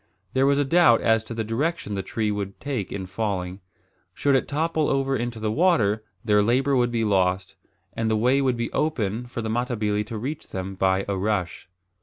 There was a doubt as to the direction the tree would take in falling. Should it topple over into the water, their labour would be lost, and the way would be open for the Matabili to reach them by a rush.